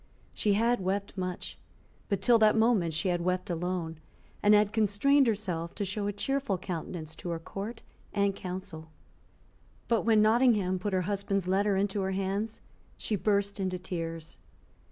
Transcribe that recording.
She had wept much; but till that moment she had wept alone, and had constrained herself to show a cheerful countenance to her Court and Council. But when Nottingham put her husband's letter into her hands, she burst into tears.